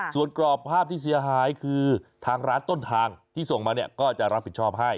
ส่วนกรอบภาพที่เสียหายคือทางร้านต้นทางที่ส่งมาเนี่ยก็จะรับผิดชอบให้